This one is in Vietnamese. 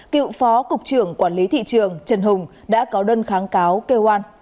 cựu phó cục trưởng quản lý thị trường trần hùng đã có đơn kháng cáo kêu an